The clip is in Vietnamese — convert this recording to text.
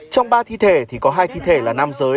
trong ba thi thể thì có hai thi thể là nam giới